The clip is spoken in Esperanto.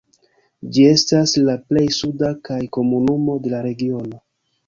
Ĝi estas la plej suda kaj komunumo de la regiono.